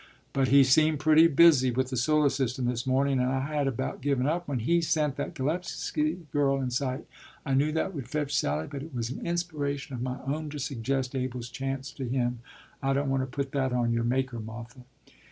But He seemed pretty busy with the solar system this morning, and I had about given up when He sent that Gillespie girl in sight. I knew that would fetch Sally; but it was an inspiration of my own to suggest Abel's chance to him; I don't want to put that on your Maker, Martha.